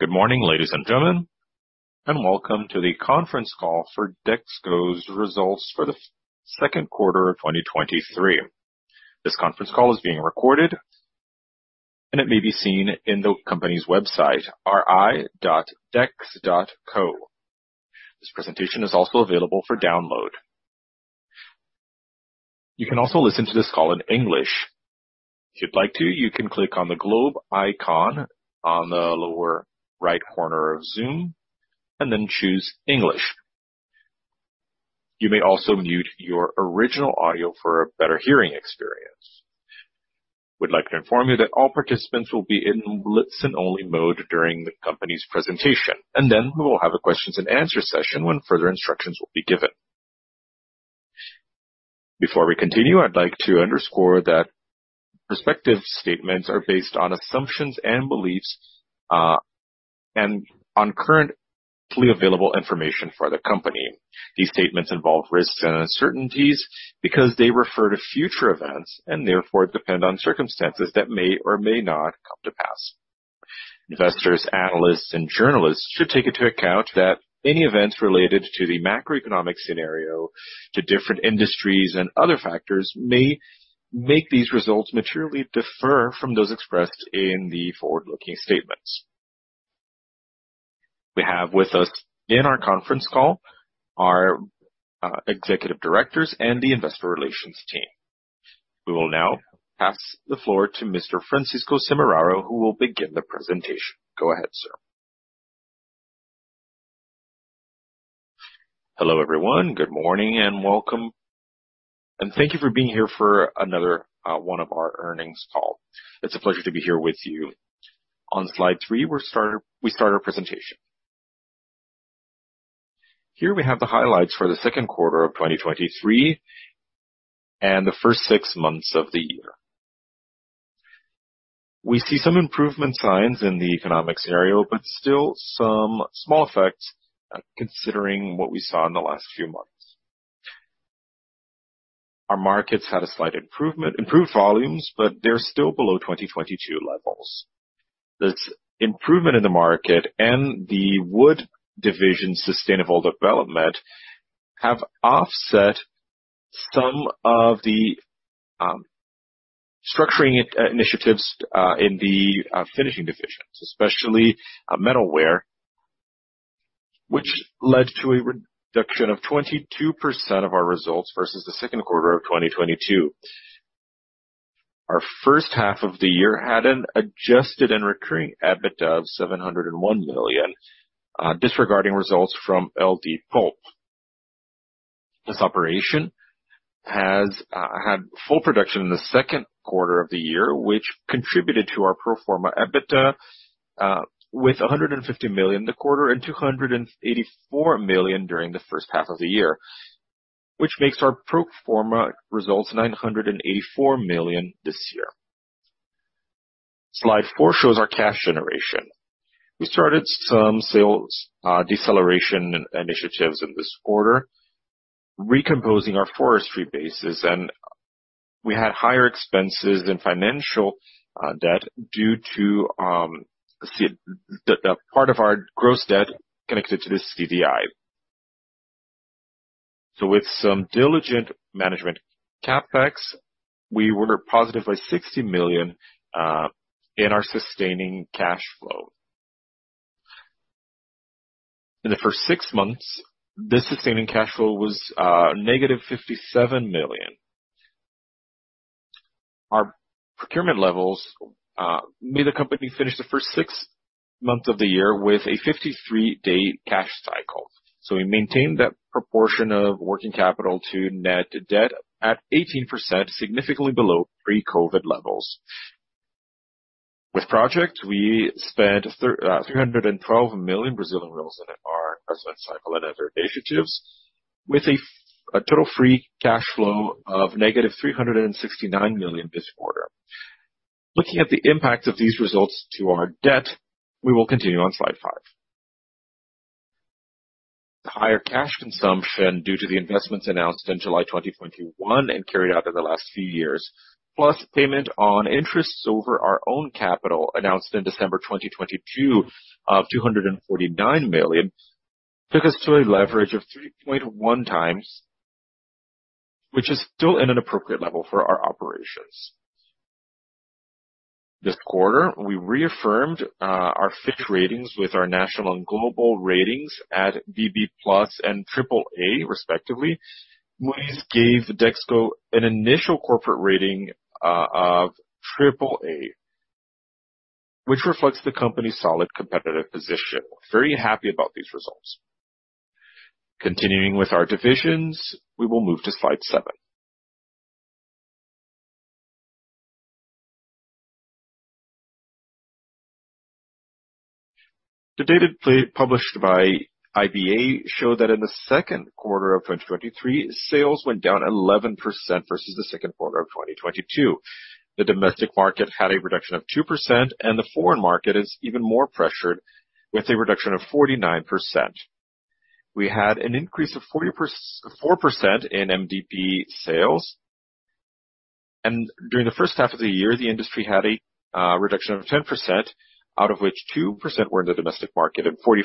Good morning, ladies and gentlemen, welcome to the conference call for Dexco's results for the second quarter of 2023. This conference call is being recorded, and it may be seen in the company's website, ri.dex.co. This presentation is also available for download. You can also listen to this call in English. If you'd like to, you can click on the globe icon on the lower right corner of Zoom and then choose English. You may also mute your original audio for a better hearing experience. We'd like to inform you that all participants will be in listen-only mode during the company's presentation, and then we will have a questions and answer session when further instructions will be given. Before we continue, I'd like to underscore that prospective statements are based on assumptions and beliefs, and on currently available information for the company. These statements involve risks and uncertainties because they refer to future events and therefore depend on circumstances that may or may not come to pass. Investors, analysts, and journalists should take into account that any events related to the macroeconomic scenario, to different industries and other factors may make these results materially differ from those expressed in the forward-looking statements. We have with us in our conference call our executive directors and the investor relations team. We will now pass the floor to Mr. Francisco Semeraro, who will begin the presentation. Go ahead, sir. Hello, everyone. Good morning and welcome, and thank you for being here for another one of our earnings call. It's a pleasure to be here with you. On Slide 3, We start our presentation. Here we have the highlights for the second quarter of 2023 and the first six months of the year. We see some improvement signs in the economic scenario, but still some small effects, considering what we saw in the last few months. Our markets had a slight improvement, improved volumes, but they're still below 2022 levels. This improvement in the market and the wood division's sustainable development have offset some of the structuring initiatives in the finishing divisions, especially metalware, which led to a reduction of 22% of our results versus the second quarter of 2022. Our first half of the year had an Adjusted and recurring EBITDA of 701 million, disregarding results from LD Pulp. This operation has had full production in the second quarter of the year, which contributed to our pro forma EBITDA with $150 million the quarter and $284 million during the first half of the year, which makes our pro forma results $984 million this year. Slide 4 shows our cash generation. We started some sales deceleration initiatives in this quarter, recomposing our forestry bases, and we had higher expenses than financial debt, due to the part of our gross debt connected to this CDI. With some diligent management CapEx, we were positively $60 million in our sustaining cash flow. In the first six months, this sustaining cash flow was negative $57 million. Our procurement levels made the company finish the first six months of the year with a 53-day cash cycle. We maintained that proportion of working capital to net debt at 18%, significantly below pre-COVID levels. With project, we spent 312 million Brazilian reals in our investment cycle and other initiatives, with a total free cash flow of negative 369 million this quarter. Looking at the impact of these results to our debt, we will continue on Slide 5. The higher cash consumption due to the investments announced in July 2021 and carried out in the last few years, plus payment on interests over our own capital, announced in December 2022 of 249 million, took us to a leverage of 3.1x, which is still in an appropriate level for our operations. This quarter, we reaffirmed our Fitch ratings with our national and global ratings at BB+ and AAA, respectively, which gave Dexco an initial corporate rating of AAA, which reflects the company's solid competitive position. Very happy about these results. Continuing with our divisions, we will move to Slide 7. The data published by Ibá show that in the second quarter of 2023, sales went down 11% versus the second quarter of 2022. The domestic market had a reduction of 2%, and the foreign market is even more pressured, with a reduction of 49%. We had an increase of 44% in MDP sales. During the first half of the year, the industry had a reduction of 10%, out of which 2% were in the domestic market and 45% in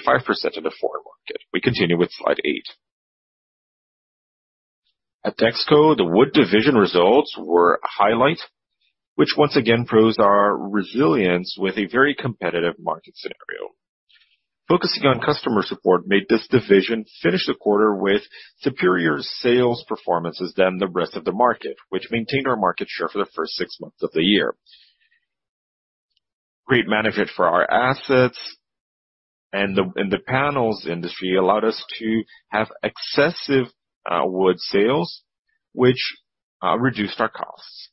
the foreign market. We continue with Slide 8. At Dexco, the wood division results were a highlight, which once again proves our resilience with a very competitive market scenario. Focusing on customer support made this division finish the quarter with superior sales performances than the rest of the market, which maintained our market share for the first six months of the year. Great management for our assets and the, and the panels industry allowed us to have excessive wood sales, which reduced our costs.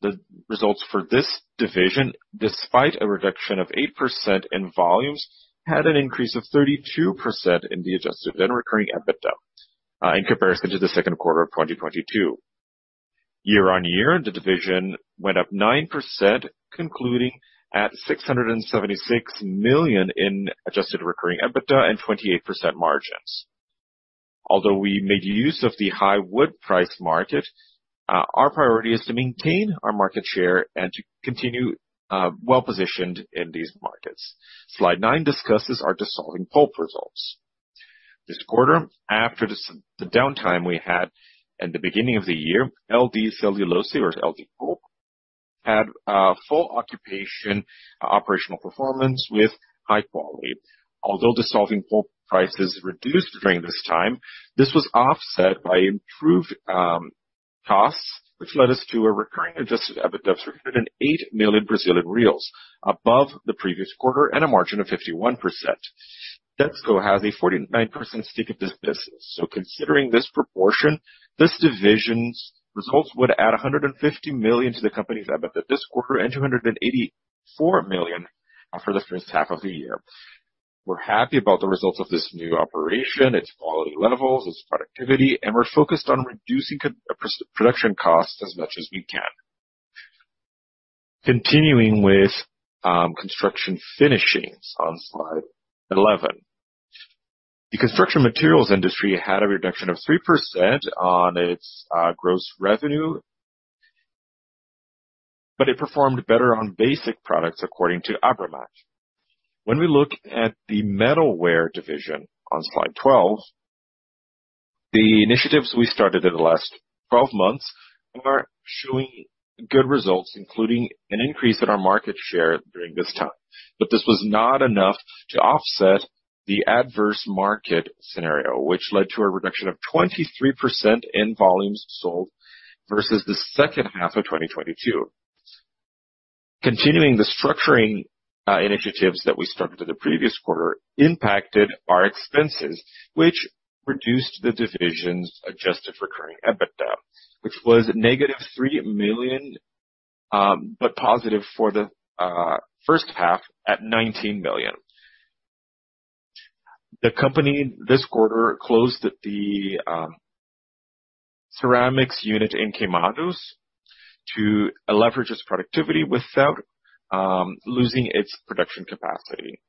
The results for this division, despite a reduction of 8% in volumes, had an increase of 32% in the Adjusted and recurring EBITDA in comparison to the second quarter of 2022. Year-over-year, the division went up 9%, concluding at 676 million in Adjusted recurring EBITDA and 28% margins. Although we made use of the high wood price market, our priority is to maintain our market share and to continue well positioned in these markets. Slide 9 discusses our dissolving pulp results. This quarter, after the downtime we had at the beginning of the year, LD Celulose or LD pulp, had a full occupation operational performance with high quality. Although dissolving pulp prices reduced during this time, this was offset by improved costs, which led us to a recurring Adjusted EBITDA of 308 million Brazilian reais above the previous quarter, and a margin of 51%. Dexco has a 49% stake in this business. Considering this proportion, this division's results would add 150 million to the company's EBITDA this quarter, and 284 million for the first half of the year. We're happy about the results of this new operation, its quality levels, its productivity, and we're focused on reducing production costs as much as we can. Continuing with construction finishings on Slide 11. The construction materials industry had a reduction of 3% on its gross revenue, but it performed better on basic products, according to ABRAMAT. Looking at the metalware division on Slide 12, the initiatives we started in the last 12 months are showing good results, including an increase in our market share during this time. This was not enough to offset the adverse market scenario, which led to a reduction of 23% in volumes sold versus the second half of 2022. Continuing the structuring initiatives that we started in the previous quarter impacted our expenses, which reduced the division's adjusted recurring EBITDA, which was negative 3 million, but positive for the first half at 19 million. The company this quarter closed the ceramics unit in Queimados to leverage its productivity without losing its production capacity.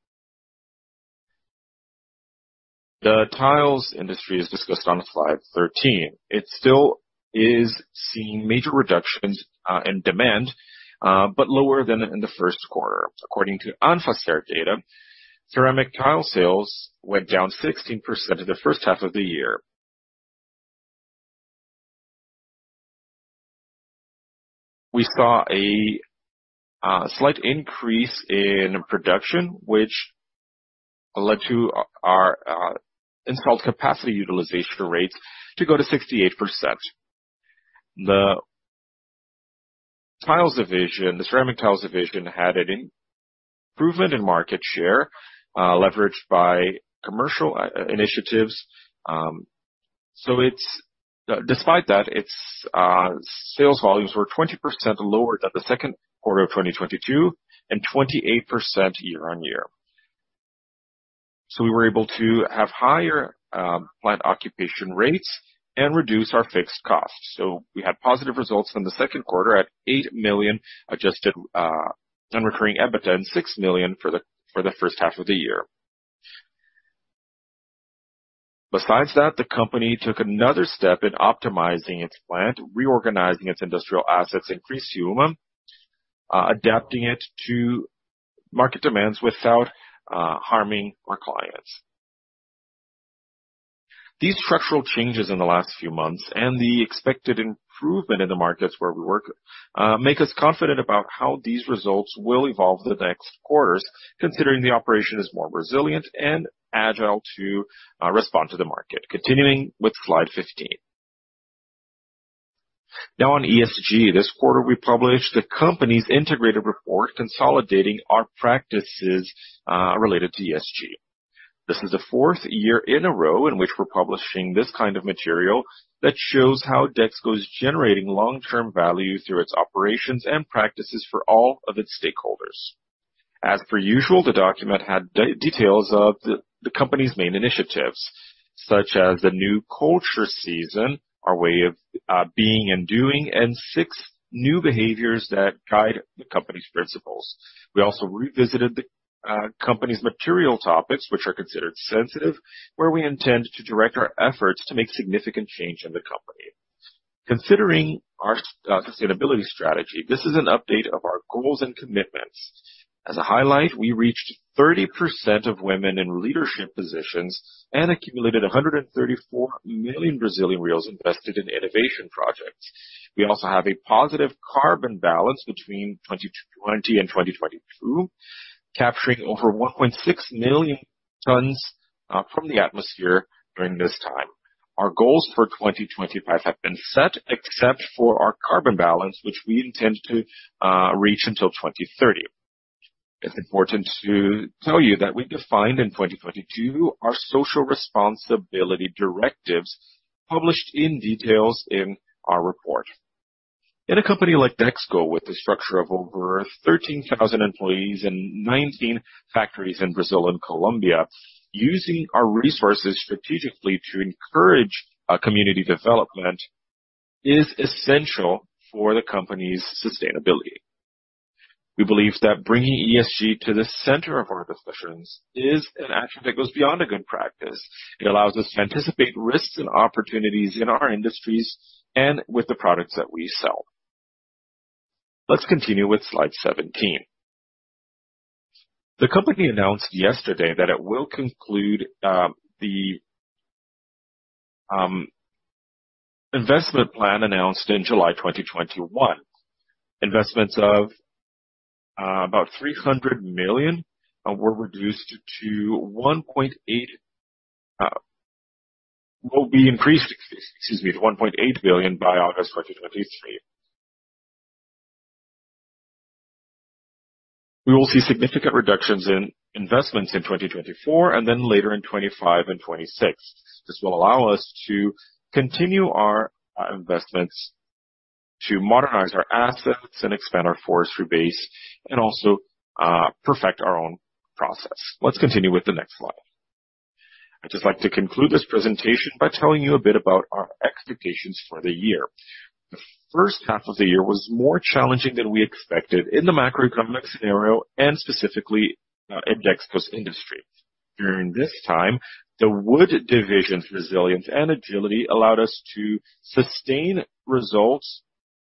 The tiles industry is discussed on Slide 13. It still is seeing major reductions in demand, but lower than in the first quarter. According to Anfacer data, ceramic tile sales went down 16% in the first half of the year. We saw a slight increase in production, which led to our installed capacity utilization rates to go to 68%. The tiles division, the ceramic tiles division, had an improvement in market share, leveraged by commercial initiatives. Despite that, its sales volumes were 20% lower than the second quarter of 2022, and 28% year-on-year. We were able to have higher plant occupation rates and reduce our fixed costs. We had positive results from the second quarter at 8 million Adjusted and recurring EBITDA, and 6 million for the first half of the year. The company took another step in optimizing its plant, reorganizing its industrial assets in Criciúma, adapting it to market demands without harming our clients. These structural changes in the last few months and the expected improvement in the markets where we work, make us confident about how these results will evolve the next quarters, considering the operation is more resilient and agile to respond to the market. Continuing with Slide 15. On ESG, this quarter, we published the company's integrated report, consolidating our practices related to ESG. This is the fourth year in a row in which we're publishing this kind of material that shows how Dexco is generating long-term value through its operations and practices for all of its stakeholders. As per usual, the document had details of the, the company's main initiatives, such as the new culture season, our way of being and doing, and new behaviors that guide the company's principles. We also revisited the company's material topics, which are considered sensitive, where we intend to direct our efforts to make significant change in the company. Considering our sustainability strategy, this is an update of our goals and commitments. As a highlight, we reached 30% of women in leadership positions and accumulated 134 million Brazilian reais invested in innovation projects. We also have a positive carbon balance between 2020 and 2022, capturing over 1.6 million tons from the atmosphere during this time. Our goals for 2025 have been set, except for our carbon balance, which we intend to reach until 2030. It's important to tell you that we defined in 2022, our social responsibility directives, published in details in our report. In a company like Dexco, with a structure of over 13,000 employees and 19 factories in Brazil and Colombia, using our resources strategically to encourage a community development is essential for the company's sustainability. We believe that bringing ESG to the center of our discussions is an action that goes beyond a good practice. It allows us to anticipate risks and opportunities in our industries and with the products that we sell. Let's continue with Slide 17. The company announced yesterday that it will conclude the investment plan announced in July 2021. Investments of about 300 million were reduced to 1.8, will be increased, excuse me, to 1.8 billion by August 2023. We will see significant reductions in investments in 2024 and then later in 25 and 26. This will allow us to continue our investments to modernize our assets and expand our forestry base and also, perfect our own process. Let's continue with the next slide. I'd just like to conclude this presentation by telling you a bit about our expectations for the year. The first half of the year was more challenging than we expected in the macroeconomic scenario and specifically, in Dexco's industry. During this time, the wood division's resilience and agility allowed us to sustain results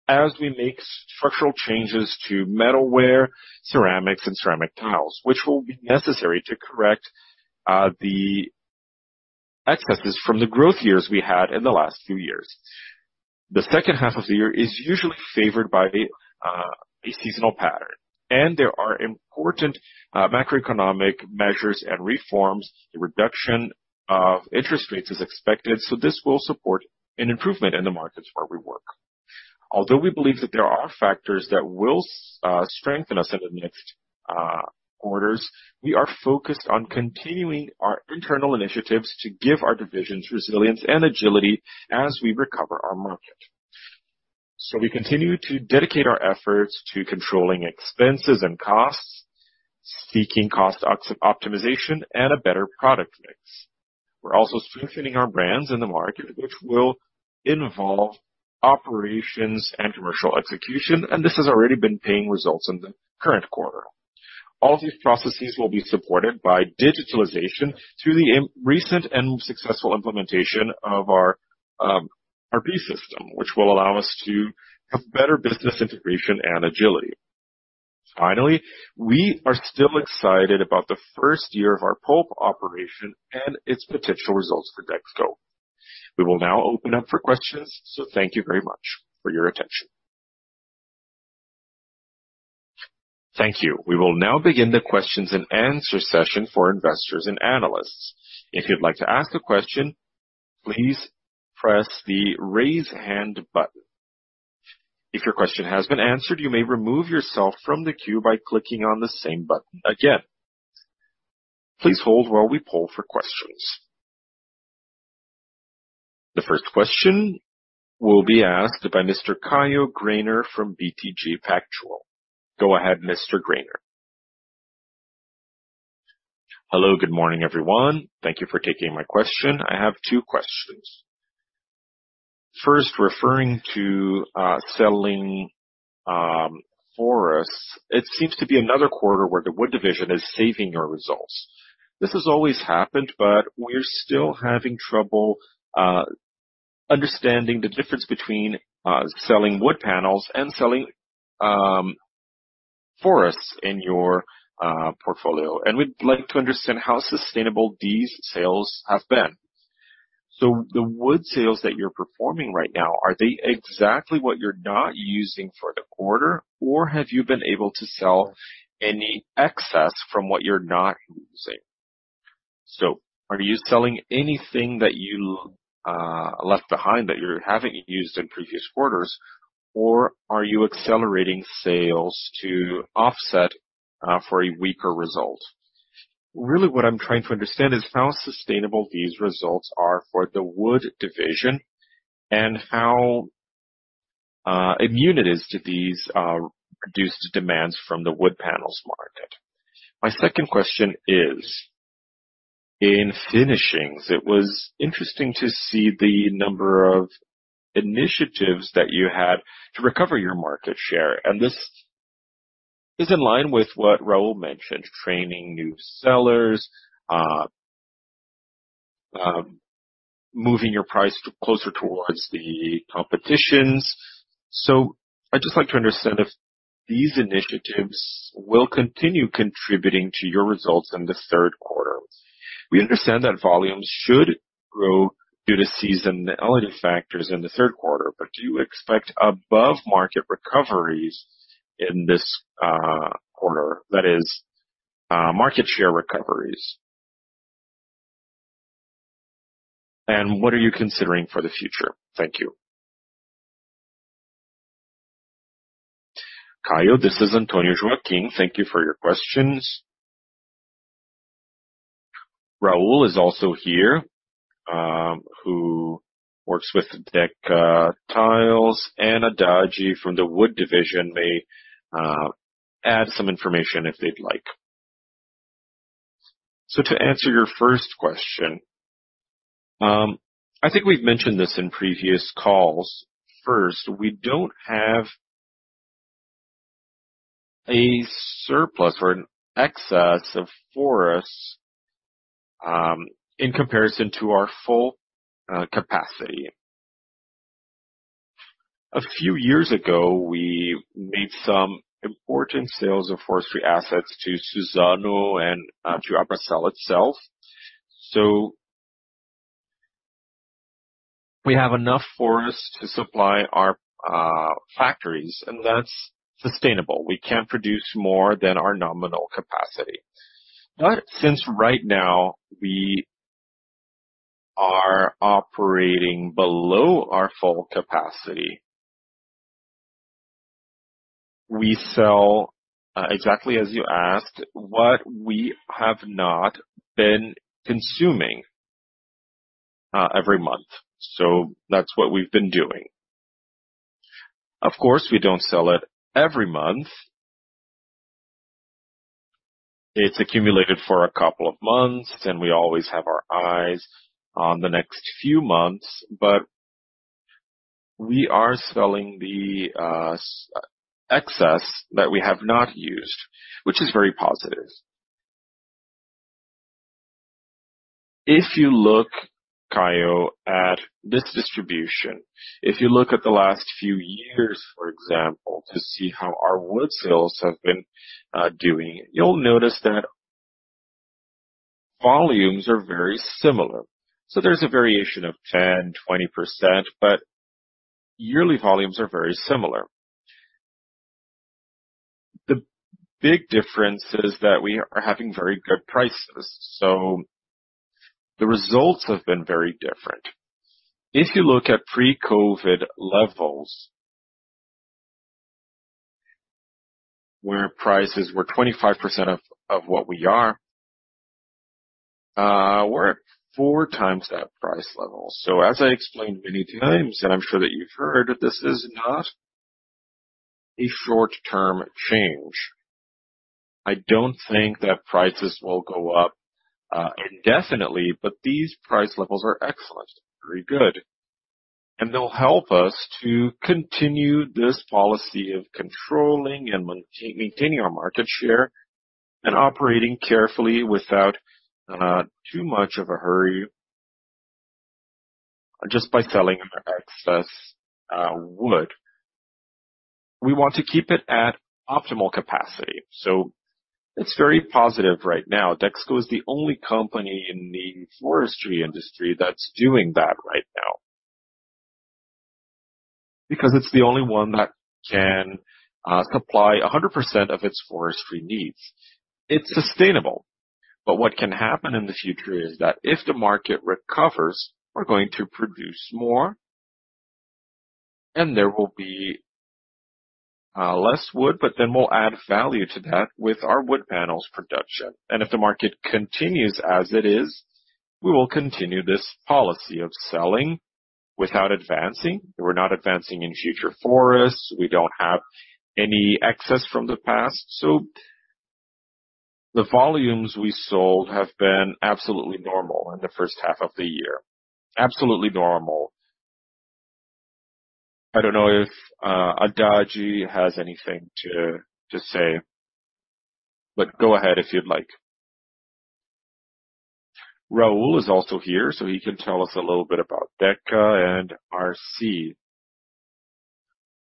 as we make structural changes to metalware, ceramics, and ceramic tiles, which will be necessary to correct, the excesses from the growth years we had in the last few years. The second half of the year is usually favored by a seasonal pattern, and there are important macroeconomic measures and reforms. A reduction of interest rates is expected, this will support an improvement in the markets where we work. Although we believe that there are factors that will strengthen us in the next quarters, we are focused on continuing our internal initiatives to give our divisions resilience and agility as we recover our market. We continue to dedicate our efforts to controlling expenses and costs, seeking cost opt-optimization and a better product mix. We're also strengthening our brands in the market, which will involve operations and commercial execution, this has already been paying results in the current quarter. All these processes will be supported by digitalization to the recent and successful implementation of our RB system, which will allow us to have better business integration and agility. Finally, we are still excited about the first year of our pulp operation and its potential results for Dexco. We will now open up for questions. Thank you very much for your attention. Thank you. We will now begin the questions and answer session for investors and analysts. If you'd like to ask a question, please press the Raise Hand button. If your question has been answered, you may remove yourself from the queue by clicking on the same button again. Please hold while we poll for questions. The first question will be asked by Mr. Caio Greiner from BTG Pactual. Go ahead, Mr. Greiner. Hello, good morning, everyone. Thank you for taking my question. I have 2 questions. First, referring to selling forests, it seems to be another quarter where the wood division is saving your results. This has always happened, but we're still having trouble understanding the difference between selling wood panels and selling forests in your portfolio. We'd like to understand how sustainable these sales have been. The wood sales that you're performing right now, are they exactly what you're not using for the quarter? Have you been able to sell any excess from what you're not using? Are you selling anything that you left behind that you haven't used in previous quarters? Are you accelerating sales to offset for a weaker result? Really what I'm trying to understand is how sustainable these results are for the wood division and how immune it is to these reduced demands from the wood panels market. My second question. In finishings, it was interesting to see the number of initiatives that you had to recover your market share, and this is in line with what Raul mentioned: training new sellers, moving your price closer towards the competitions. I'd just like to understand if these initiatives will continue contributing to your results in the third quarter. We understand that volumes should grow due to seasonality factors in the third quarter, but do you expect above-market recoveries in this quarter, that is, market share recoveries? What are you considering for the future? Thank you. Caio, this is Antonio Joaquim. Thank you for your questions. Raul is also here, who works with Deca Tiles and Adaljio from the wood division. May add some information if they'd like. To answer your first question, I think we've mentioned this in previous calls. First, we don't have a surplus or an excess of forests, in comparison to our full capacity. A few years ago, we made some important sales of forestry assets to Suzano and to Bracell itself. We have enough forests to supply our factories, and that's sustainable. We can't produce more than our nominal capacity. Since right now we are operating below our full capacity, we sell exactly as you asked, what we have not been consuming every month. That's what we've been doing. Of course, we don't sell it every month. It's accumulated for a couple of months, and we always have our eyes on the next few months, but we are selling the excess that we have not used, which is very positive. If you look, Caio, at this distribution, if you look at the last few years, for example, to see how our wood sales have been doing, you'll notice that volumes are very similar. There's a variation of 10%-20%, but yearly volumes are very similar. The big difference is that we are having very good prices. The results have been very different. If you look at pre-COVID levels, where prices were 25% of, of what we are, we're at 4x that price level. As I explained many times, and I'm sure that you've heard, that this is not a short-term change. I don't think that prices will go up indefinitely, but these price levels are excellent, very good, and they'll help us to continue this policy of controlling and maintaining our market share and operating carefully without too much of a hurry, just by selling excess wood. We want to keep it at optimal capacity. It's very positive right now. Dexco is the only company in the forestry industry that's doing that right now. It's the only one that can supply 100% of its forestry needs. It's sustainable. What can happen in the future is that if the market recovers, we're going to produce more, and there will be less wood. Then we'll add value to that with our wood panels production. If the market continues as it is, we will continue this policy of selling without advancing. We're not advancing in future forests. We don't have any excess from the past. The volumes we sold have been absolutely normal in the first half of the year. Absolutely normal. I don't know if Adaljio has anything to say. Go ahead if you'd like. Raul is also here. He can tell us a little bit about Deca and RC.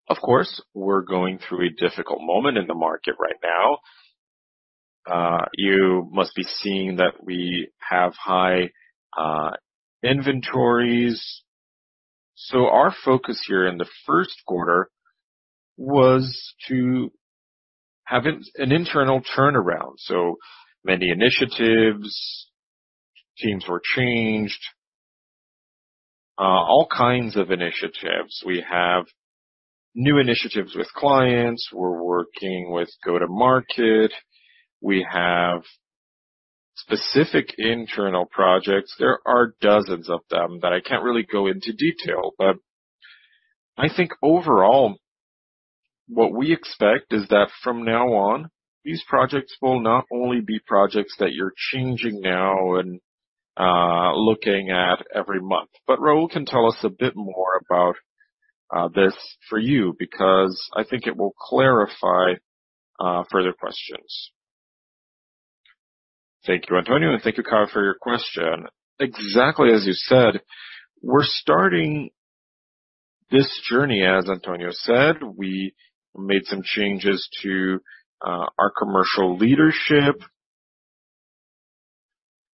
Of course, we're going through a difficult moment in the market right now. You must be seeing that we have high inventories. Our focus here in the first quarter was to have an internal turnaround. Many initiatives, teams were changed, all kinds of initiatives. We have new initiatives with clients. We're working with go-to-market. We have specific internal projects. There are dozens of them that I can't really go into detail, but I think overall- what we expect is that from now on, these projects will not only be projects that you're changing now and looking at every month, but Raul can tell us a bit more about this for you, because I think it will clarify further questions. Thank you, Antonio, and thank you, Caio, for your question. Exactly as you said, we're starting this journey, as Antonio said, we made some changes to our commercial leadership.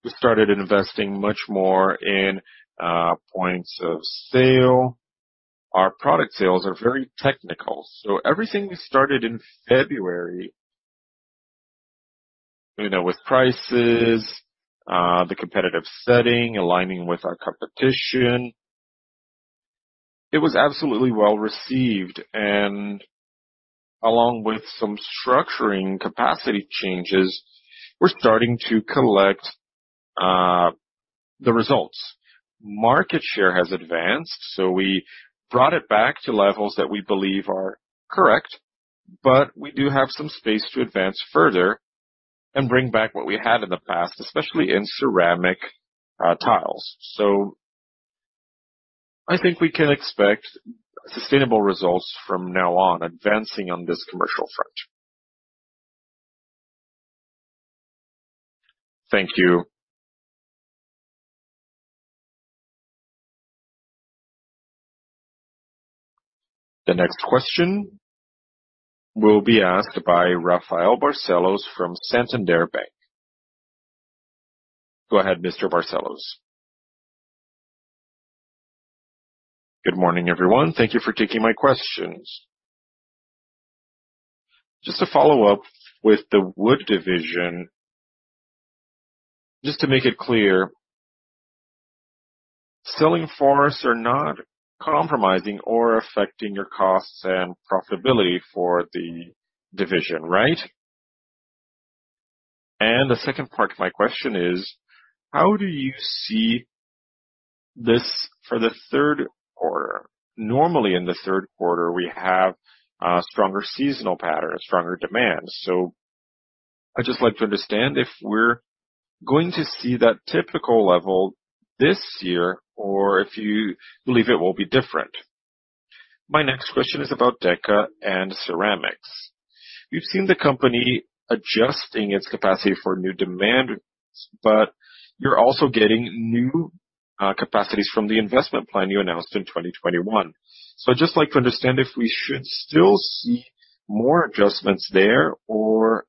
We started investing much more in points of sale. Our product sales are very technical, so everything we started in February, you know, with prices, the competitive setting, aligning with our competition, it was absolutely well received, and along with some structuring capacity changes, we're starting to collect the results. Market share has advanced, so we brought it back to levels that we believe are correct, but we do have some space to advance further and bring back what we had in the past, especially in ceramic tiles. I think we can expect sustainable results from now on, advancing on this commercial front. Thank you. The next question will be asked by Rafael Barcellos from Santander Bank. Go ahead, Mr. Barcellos. Good morning, everyone. Thank you for taking my questions. Just to follow up with the wood division, just to make it clear, selling forests are not compromising or affecting your costs and profitability for the division, right? The second part of my question is, how do you see this for the third quarter? Normally, in the third quarter, we have stronger seasonal patterns, stronger demand. I'd just like to understand if we're going to see that typical level this year or if you believe it will be different. My next question is about Deca and Ceramics. You've seen the company adjusting its capacity for new demand, but you're also getting new capacities from the investment plan you announced in 2021. I'd just like to understand if we should still see more adjustments there or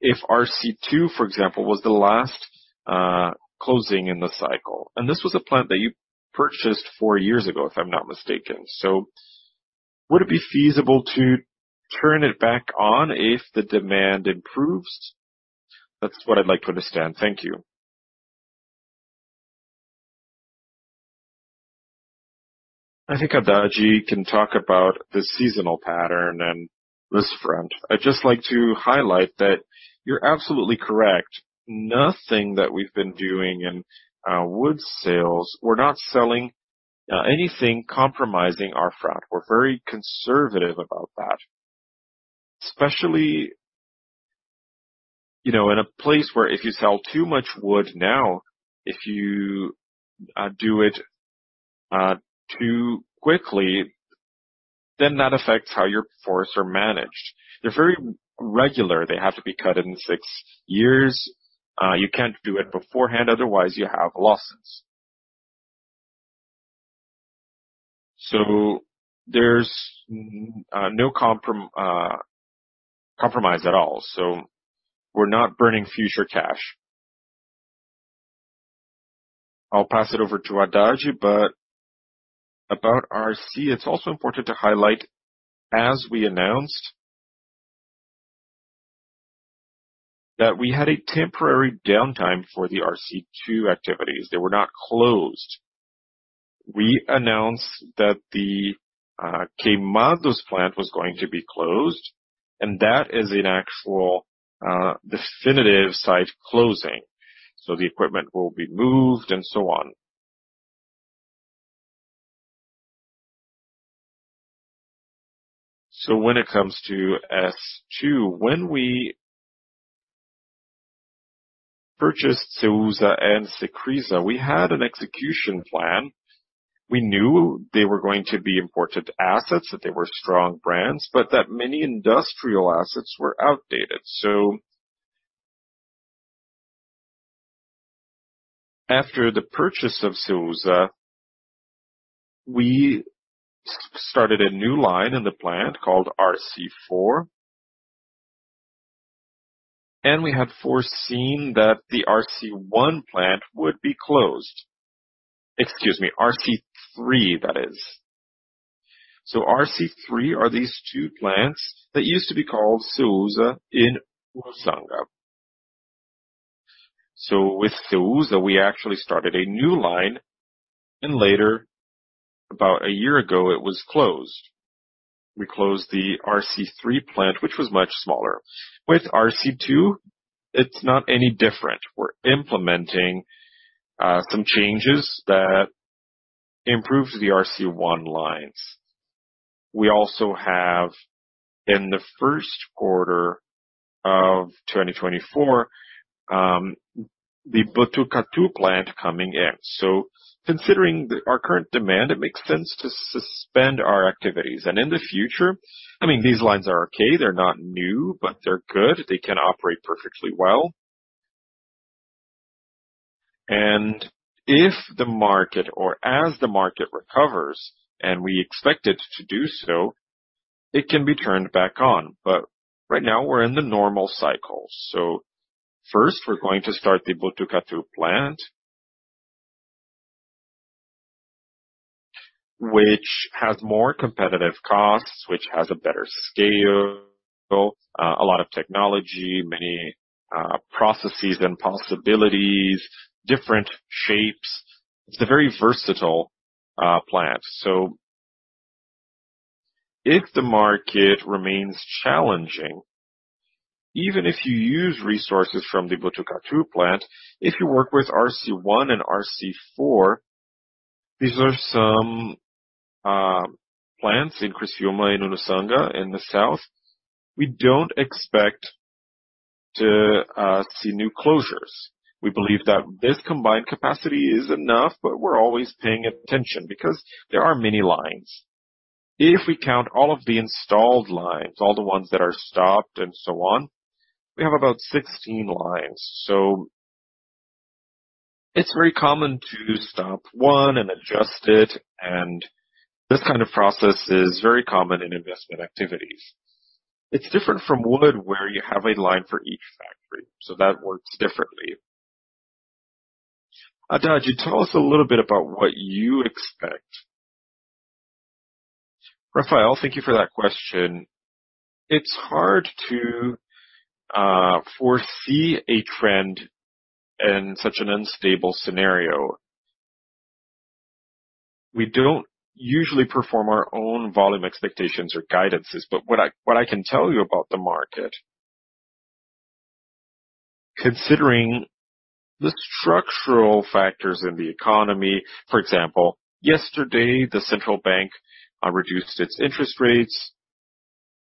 if RC2, for example, was the last closing in the cycle. This was a plant that you purchased four years ago, if I'm not mistaken. Would it be feasible to turn it back on if the demand improves? That's what I'd like to understand. Thank you. I think Adaljio can talk about the seasonal pattern and this front. I'd just like to highlight that you're absolutely correct. Nothing that we've been doing in wood sales, we're not selling anything compromising our front. We're very conservative about that. Especially, you know, in a place where if you sell too much wood now, if you do it too quickly, then that affects how your forests are managed. They're very regular. They have to be cut in six years. You can't do it beforehand, otherwise you have losses. There's no compromise at all, so we're not burning future cash. I'll pass it over to Adaljio. About RC, it's also important to highlight, as we announced, that we had a temporary downtime for the RC2 activities. They were not closed. We announced that the Queimados plant was going to be closed, and that is an actual definitive site closing. The equipment will be moved and so on. When it comes to S2, when we purchased Ceusa and Cecrisa, we had an execution plan. We knew they were going to be important assets, that they were strong brands, but that many industrial assets were outdated. After the purchase of Ceusa, we started a new line in the plant called RC4, and we had foreseen that the RC1 plant would be closed. Excuse me, RC3, that is. RC3 are these two plants that used to be called Ceusa in Urussanga. With Ceusa, we actually started a new line, and later, about a year ago, it was closed. We closed the RC3 plant, which was much smaller. With RC2, It's not any different. We're implementing some changes that improve the RC1 lines. We also have, in the first quarter of 2024, the Botucatu plant coming in. Considering our current demand, it makes sense to suspend our activities. In the future, I mean, these lines are okay, they're not new, but they're good. They can operate perfectly well. If the market or as the market recovers, and we expect it to do so, it can be turned back on. Right now, we're in the normal cycle. First, we're going to start the Botucatu plant, which has more competitive costs, which has a better scale, a lot of technology, many processes and possibilities, different shapes. It's a very versatile plant. If the market remains challenging, even if you use resources from the Botucatu plant, if you work with RC1 and RC4, these are some plants in Criciúma, in Eunápolis, in the south. We don't expect to see new closures. We believe that this combined capacity is enough, but we're always paying attention because there are many lines. If we count all of the installed lines, all the ones that are stopped and so on, we have about 16 lines. It's very common to stop one and adjust it, and this kind of process is very common in investment activities. It's different from wood, where you have a line for each factory, so that works differently. Adaljio, tell us a little bit about what you expect. Rafael, thank you for that question. It's hard to foresee a trend in such an unstable scenario. We don't usually perform our own volume expectations or guidances, what I, what I can tell you about the market, considering the structural factors in the economy, for example, yesterday, the Central Bank reduced its interest rates.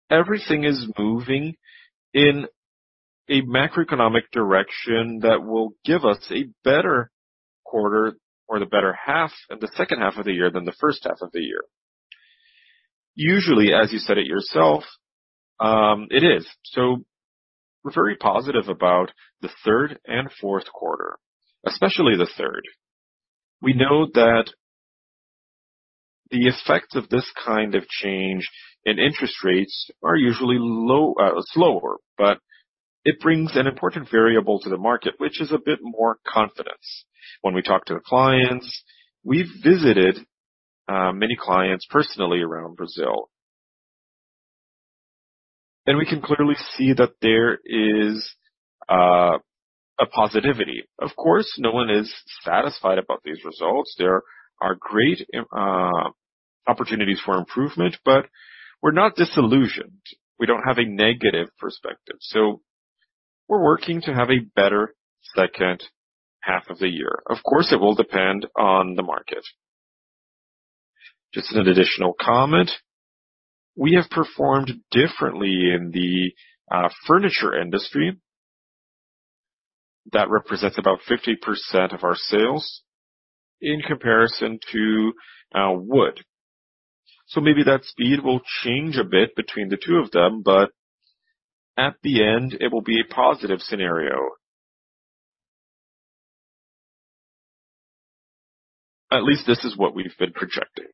Everything is moving in a macroeconomic direction that will give us a better quarter or the better half, the second half of the year than the first half of the year. Usually, as you said it yourself, it is. We're very positive about the third and fourth quarter, especially the third. We know that the effects of this kind of change in interest rates are usually low, slower, but it brings an important variable to the market, which is a bit more confidence. When we talk to the clients, we've visited many clients personally around Brazil. We can clearly see that there is a positivity. Of course, no one is satisfied about these results. There are great opportunities for improvement, but we're not disillusioned. We don't have a negative perspective, we're working to have a better second half of the year. Of course, it will depend on the market. Just an additional comment, we have performed differently in the furniture industry. That represents about 50% of our sales in comparison to wood. Maybe that speed will change a bit between the two of them, but at the end, it will be a positive scenario. At least this is what we've been projecting.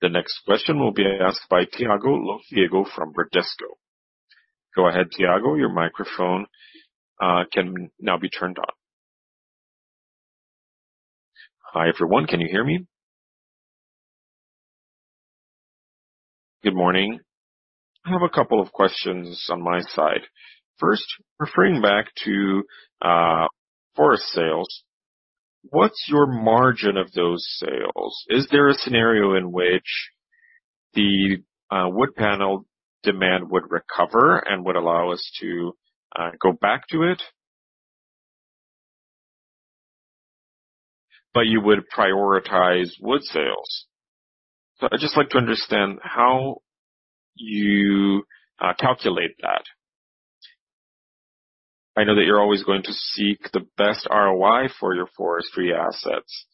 The next question will be asked by Thiago Longo from Bradesco. Go ahead, Thiago. Your microphone can now be turned on. Hi, everyone. Can you hear me? Good morning. I have a couple of questions on my side. First, referring back to forest sales, what's your margin of those sales? Is there a scenario in which the wood panel demand would recover and would allow us to go back to it? You would prioritize wood sales. I'd just like to understand how you calculate that. I know that you're always going to seek the best ROI for your forestry assets.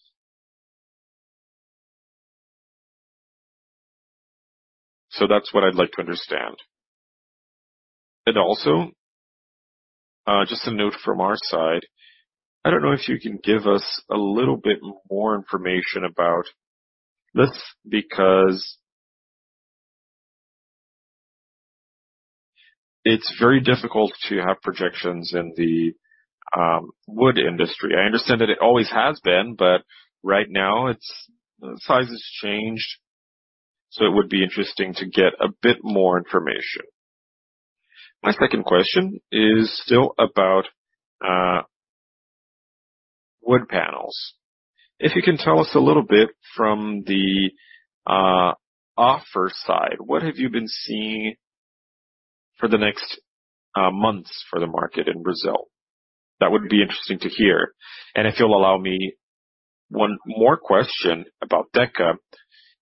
That's what I'd like to understand. Also, just a note from our side. I don't know if you can give us a little bit more information about this, because. It's very difficult to have projections in the wood industry. I understand that it always has been, but right now, its size has changed, so it would be interesting to get a bit more information. My second question is still about wood panels. If you can tell us a little bit from the offer side, what have you been seeing for the next months for the market in Brazil? That would be interesting to hear. If you'll allow me one more question about Deca.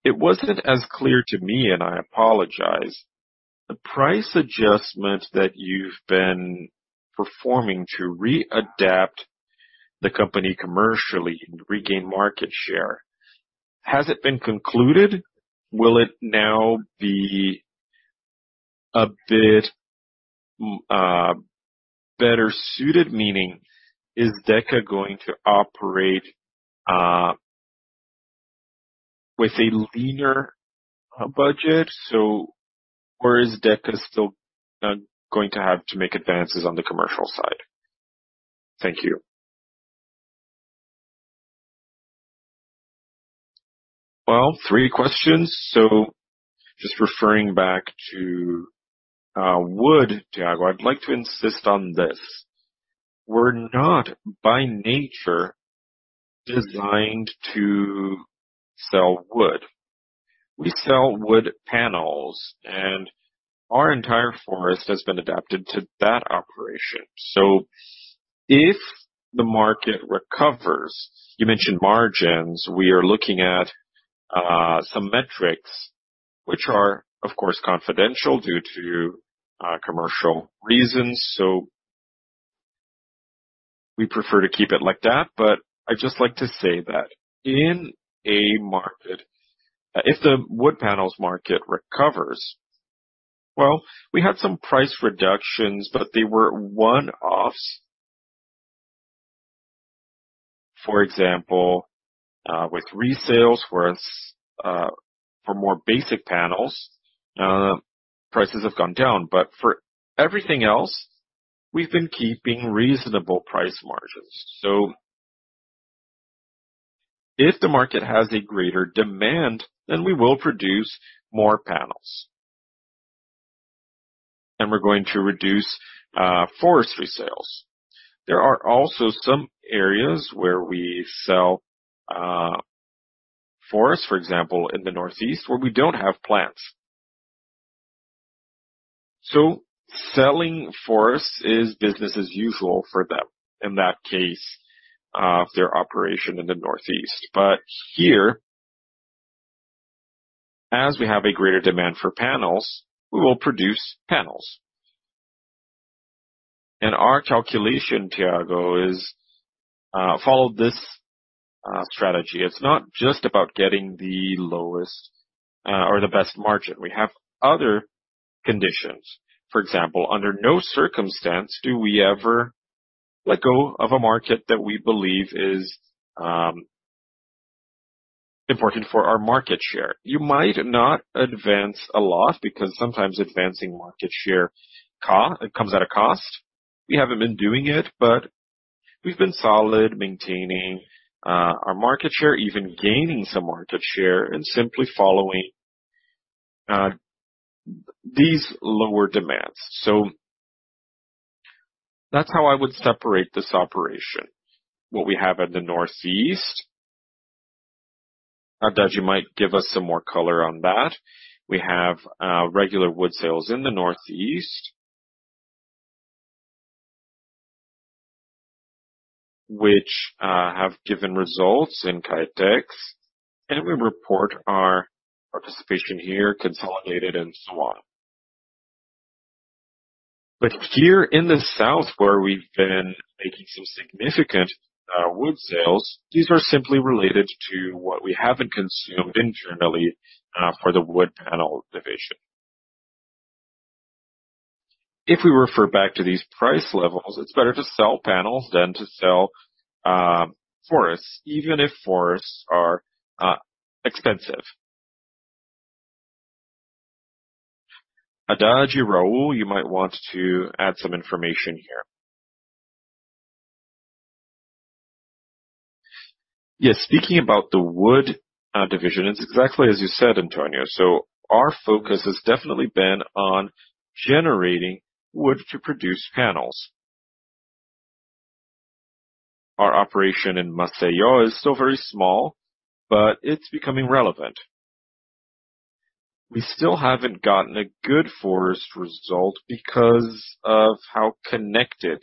It wasn't as clear to me, and I apologize. The price adjustment that you've been performing to readapt the company commercially and regain market share, has it been concluded? Will it now be a bit better suited? Meaning, is Deca going to operate with a leaner budget, so or is Deca still going to have to make advances on the commercial side? Thank you. Well, three questions. Just referring back to wood, Thiago, I'd like to insist on this. We're not, by nature, designed to sell wood. We sell wood panels, and our entire forest has been adapted to that operation. If the market recovers, you mentioned margins, we are looking at some metrics which are, of course, confidential due to commercial reasons. We prefer to keep it like that. I'd just like to say that in a market, if the wood panels market recovers, well, we had some price reductions, but they were one-offs. For example, with resales, where as, for more basic panels, prices have gone down, but for everything else, we've been keeping reasonable price margins. If the market has a greater demand, then we will produce more panels, and we're going to reduce forestry sales. There are also some areas where we sell forests, for example, in the Northeast, where we don't have plants. Selling forests is business as usual for them, in that case, their operation in the Northeast. Here, as we have a greater demand for panels, we will produce panels. Our calculation, Thiago, is, follow this strategy. It's not just about getting the lowest or the best margin. We have other conditions. For example, under no circumstance do we ever let go of a market that we believe is important for our market share. You might not advance a lot because sometimes advancing market share comes at a cost. We haven't been doing it, but we've been solid, maintaining our market share, even gaining some market share and simply following these lower demands. That's how I would separate this operation. What we have in the Northeast, Adaljio might give us some more color on that. We have regular wood sales in the Northeast, which have given results in Caetex, and we report our participation here, consolidated, and so on. Here in the South, where we've been making some significant wood sales, these are simply related to what we haven't consumed internally for the wood panel division. If we refer back to these price levels, it's better to sell panels than to sell forests, even if forests are expensive. Adaljio, Raul, you might want to add some information here. Speaking about the wood division, it's exactly as you said, Antonio. Our focus has definitely been on generating wood to produce panels. Our operation in Maceió is still very small, but it's becoming relevant. We still haven't gotten a good forest result because of how connected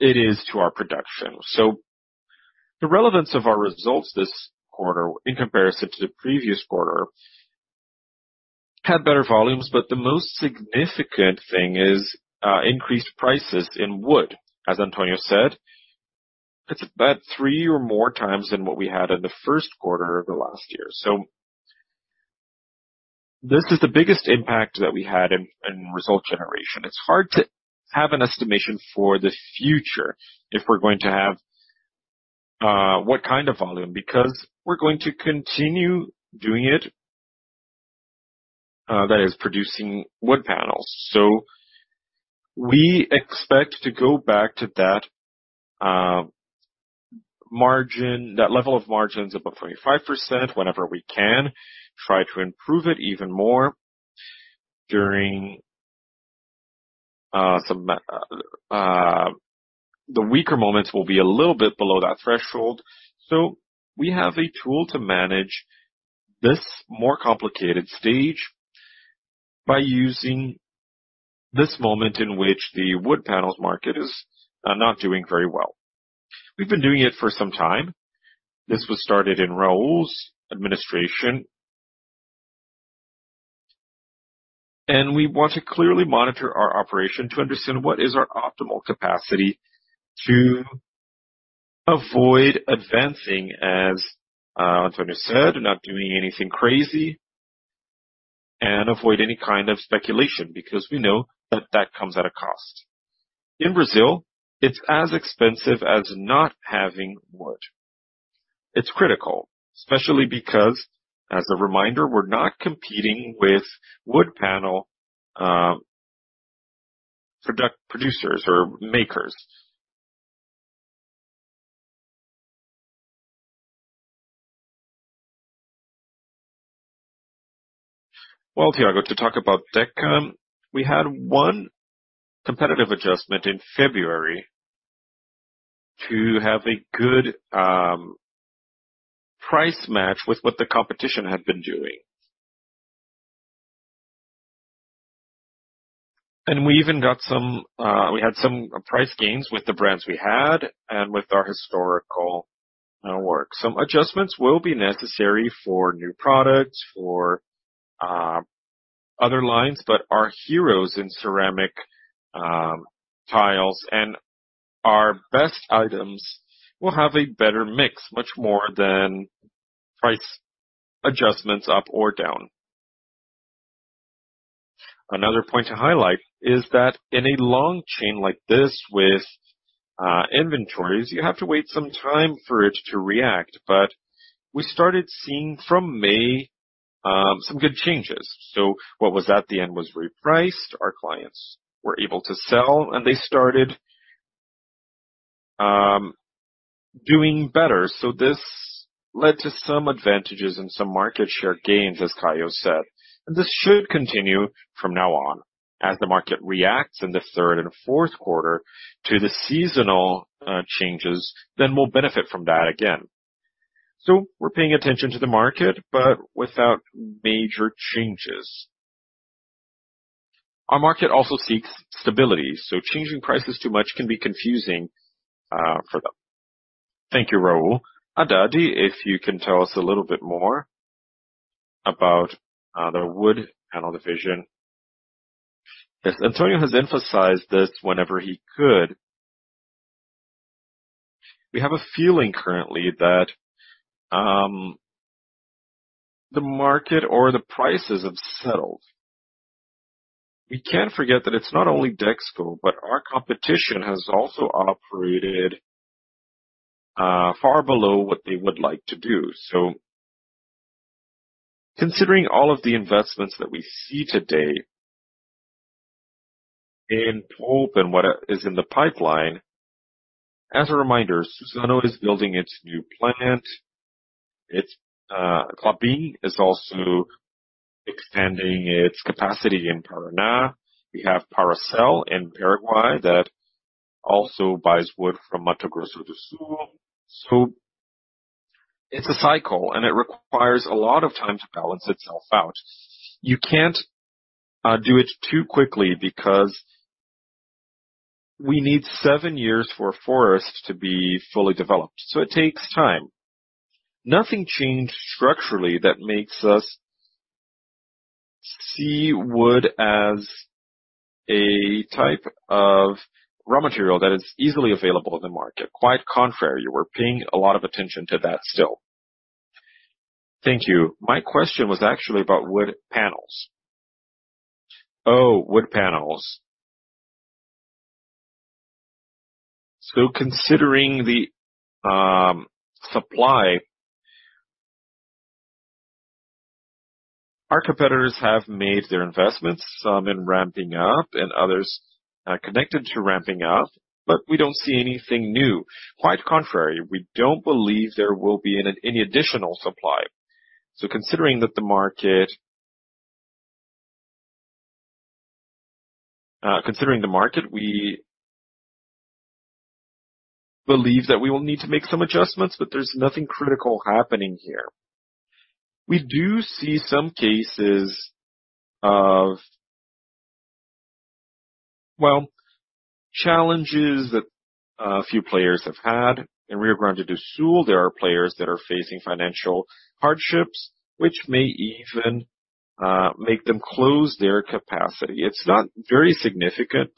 it is to our production. The relevance of our results this quarter, in comparison to the previous quarter, had better volumes, but the most significant thing is increased prices in wood. As Antonio said, it's about 3 or more times than what we had in the first quarter of last year. This is the biggest impact that we had in result generation. It's hard to have an estimation for the future if we're going to have what kind of volume, because we're going to continue doing it that is producing wood panels. We expect to go back to that margin, that level of margin is above 25%. Whenever we can, try to improve it even more. During some the weaker moments will be a little bit below that threshold. We have a tool to manage this more complicated stage by using this moment in which the wood panels market is not doing very well. We've been doing it for some time. This was started in Raul's administration. We want to clearly monitor our operation to understand what is our optimal capacity to avoid advancing, as Antonio said, not doing anything crazy, and avoid any kind of speculation, because we know that that comes at a cost. In Brazil, it's as expensive as not having wood. It's critical, especially because, as a reminder, we're not competing with wood panel product producers or makers. Well, Thiago, to talk about Deca, we had one competitive adjustment in February to have a good price match with what the competition had been doing. We even got some, we had some price gains with the brands we had and with our historical work. Some adjustments will be necessary for new products, for other lines, but our heroes in ceramic tiles and our best items will have a better mix, much more than price adjustments up or down. Another point to highlight is that in a long chain like this with inventories, you have to wait some time for it to react, but we started seeing from May some good changes. What was at the end was repriced. Our clients were able to sell, and they started doing better. This led to some advantages and some market share gains, as Caio said, and this should continue from now on. As the market reacts in the third and fourth quarter to the seasonal changes, then we'll benefit from that again. We're paying attention to the market, but without major changes. Our market also seeks stability, so changing prices too much can be confusing for them. Thank you, Raul. Haddad, if you can tell us a little bit more about the wood panel division. Yes, Antonio has emphasized this whenever he could. We have a feeling currently that the market or the prices have settled. We can't forget that it's not only Dexco, but our competition has also operated far below what they would like to do. Considering all of the investments that we see today in hope and what is in the pipeline, as a reminder, Suzano is building its new plant. Its Klabin is also extending its capacity in Paraná. We have Paracel in Paraguay, that also buys wood from Mato Grosso do Sul. It's a cycle, and it requires a lot of time to balance itself out. You can't do it too quickly because we need seven years for a forest to be fully developed, so it takes time. Nothing changed structurally that makes us see wood as a type of raw material that is easily available in the market. Quite contrary, we're paying a lot of attention to that still. Thank you. My question was actually about wood panels. Oh, wood panels. Considering the supply, our competitors have made their investments, some in ramping up and others connected to ramping up, but we don't see anything new. Quite contrary, we don't believe there will be any additional supply. Considering that the market, considering the market, we believe that we will need to make some adjustments, but there's nothing critical happening here. We do see some cases of, well, challenges that a few players have had. In Rio Grande do Sul, there are players that are facing financial hardships, which may even make them close their capacity. It's not very significant,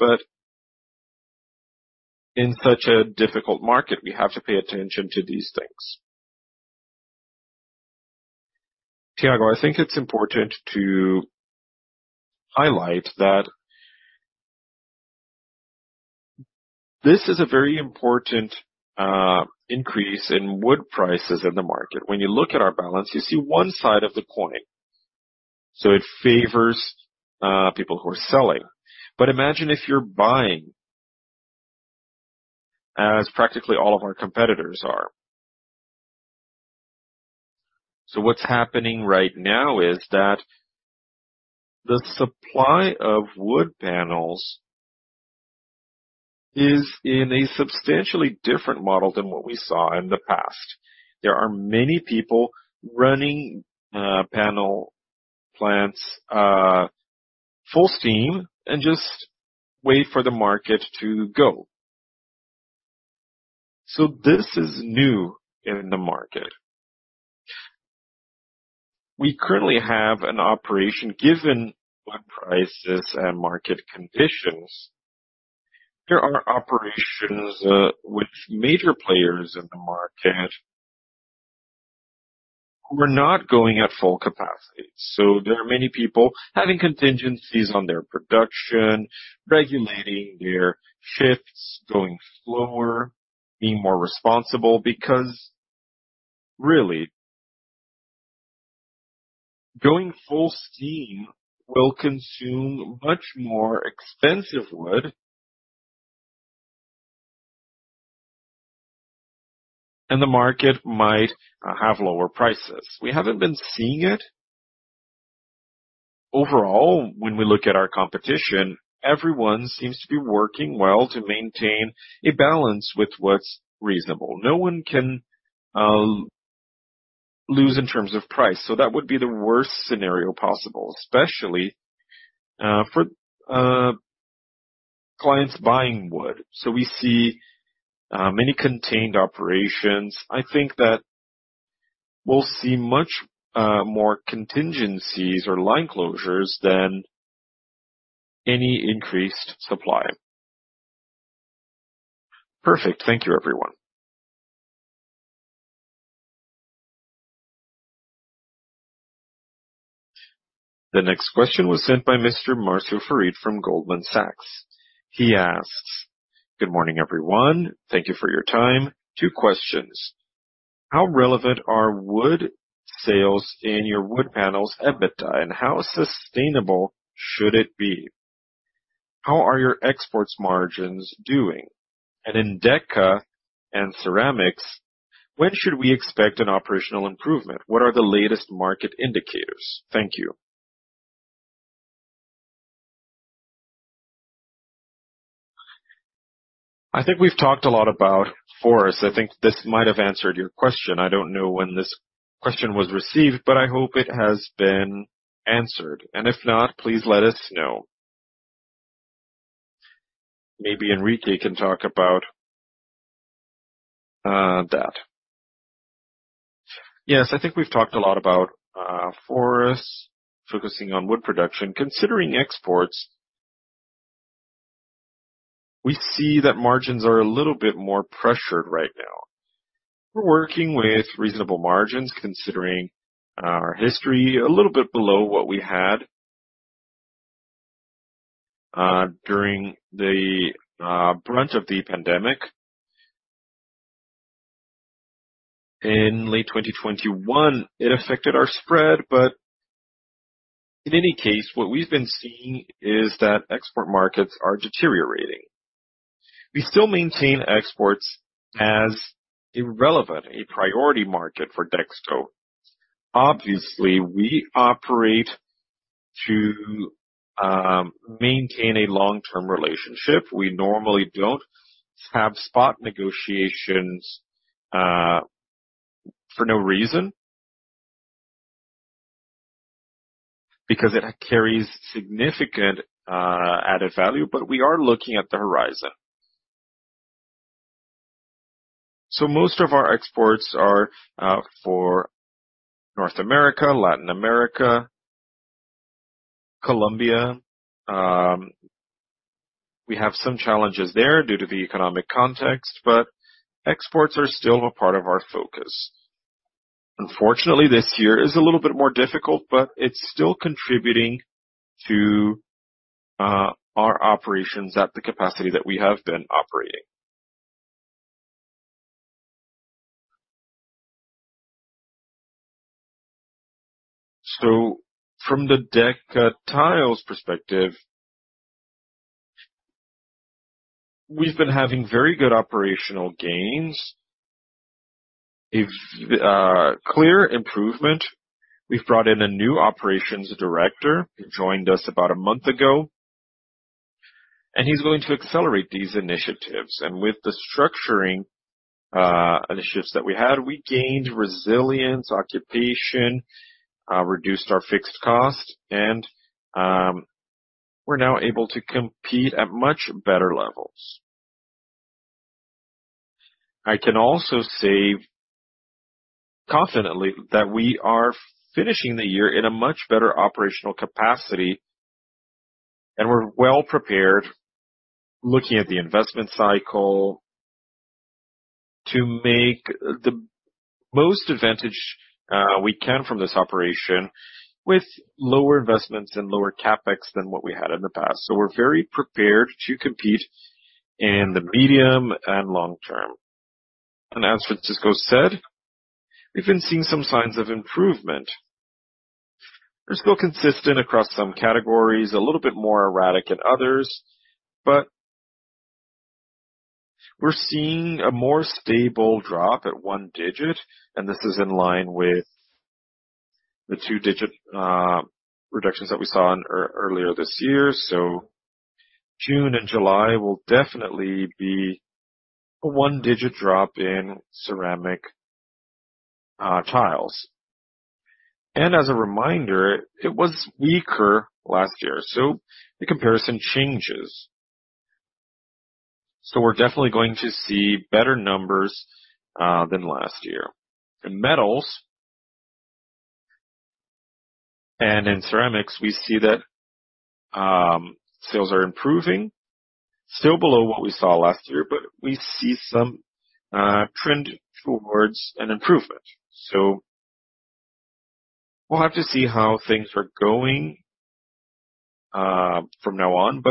in such a difficult market, we have to pay attention to these things. Thiago, I think it's important to highlight that this is a very important increase in wood prices in the market. When you look at our balance, you see one side of the coin. It favors people who are selling. Imagine if you're buying, as practically all of our competitors are. What's happening right now is that the supply of wood panels is in a substantially different model than what we saw in the past. There are many people running panel plants full steam and just wait for the market to go. This is new in the market. We currently have an operation, given wood prices and market conditions, there are operations, with major players in the market who are not going at full capacity. There are many people having contingencies on their production, regulating their shifts, going slower, being more responsible, because really, going full steam will consume much more expensive wood, and the market might have lower prices. We haven't been seeing it. Overall, when we look at our competition, everyone seems to be working well to maintain a balance with what's reasonable. No one can lose in terms of price, that would be the worst scenario possible, especially for clients buying wood. We see many contained operations. I think that we'll see much more contingencies or line closures than any increased supply. Perfect. Thank you, everyone. The next question was sent by Mr. Marcelo Farid from Goldman Sachs. He asks: "Good morning, everyone. Thank you for your time. Two questions. How relevant are wood sales in your wood panels, EBITDA, and how sustainable should it be? How are your exports margins doing? And in Deca and Ceramics, when should we expect an operational improvement? What are the latest market indicators? Thank you." I think we've talked a lot about forests. I think this might have answered your question. I don't know when this question was received, but I hope it has been answered, and if not, please let us know. Maybe Henrique can talk about that. Yes, I think we've talked a lot about forests focusing on wood production. Considering exports, we see that margins are a little bit more pressured right now. We're working with reasonable margins, considering our history, a little bit below what we had during the brunt of the pandemic. In late 2021, it affected our spread, in any case, what we've been seeing is that export markets are deteriorating. We still maintain exports as irrelevant, a priority market for Dexco. Obviously, we operate to maintain a long-term relationship. We normally don't have spot negotiations for no reason, because it carries significant added value, we are looking at the horizon. Most of our exports are for North America, Latin America, Colombia. We have some challenges there due to the economic context, exports are still a part of our focus. Unfortunately, this year is a little bit more difficult, it's still contributing to our operations at the capacity that we have been operating. From the Deca Tiles perspective, we've been having very good operational gains, a clear improvement. We've brought in a new operations director, who joined us about a month ago, and he's going to accelerate these initiatives. With the structuring initiatives that we had, we gained resilience, occupation, reduced our fixed cost, and we're now able to compete at much better levels. I can also say confidently that we are finishing the year in a much better operational capacity, and we're well prepared, looking at the investment cycle, to make the most advantage we can from this operation, with lower investments and lower CapEx than what we had in the past. We're very prepared to compete in the medium and long term. As Francisco said, we've been seeing some signs of improvement. They're still consistent across some categories, a little bit more erratic in others. We're seeing a more stable drop at 1 digit, and this is in line with the 2-digit reductions that we saw earlier this year. June and July will definitely be a 1-digit drop in ceramic tiles. As a reminder, it was weaker last year. The comparison changes. We're definitely going to see better numbers than last year. In metals and in ceramics, we see that sales are improving, still below what we saw last year. We see some trend towards an improvement. We'll have to see how things are going from now on.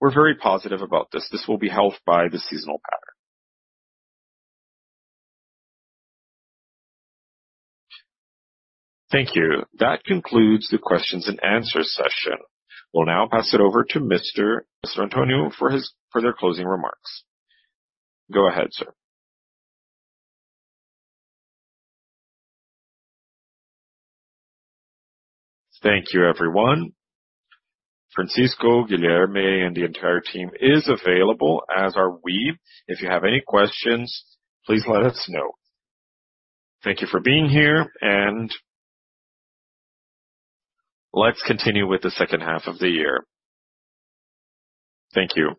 We're very positive about this. This will be helped by the seasonal pattern. Thank you. That concludes the questions and answer session. We'll now pass it over to Mr. Antonio for his, for their closing remarks. Go ahead, sir. Thank you, everyone. Francisco, Guilherme, and the entire team is available, as are we. If you have any questions, please let us know. Thank you for being here, and let's continue with the second half of the year. Thank you.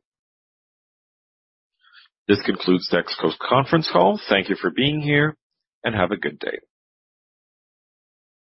This concludes Dexco's conference call. Thank you for being here, and have a good day.